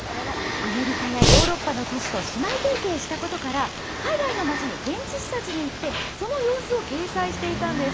アメリカやヨーロッパの都市と姉妹提携したことから、海外の街に現地視察に行って、その様子を掲載していたんです。